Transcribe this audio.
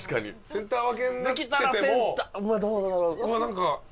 センター分けになってても。